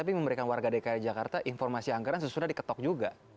tapi memberikan warga dki jakarta informasi anggaran sesudah diketok juga